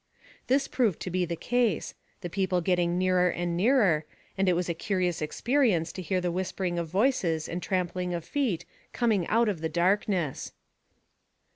This proved to be the case, the people getting nearer and nearer, and it was a curious experience to hear the whispering of voices and trampling of feet coming out of the darkness.